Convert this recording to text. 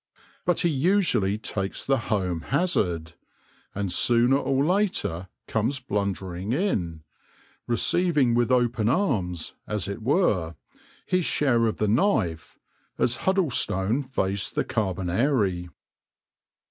But he usually takes the home hazard ; and sooner or later comes blundering in, receiving with open arms, as it were, his share of the knife, as Huddlestone faced the Carbonari.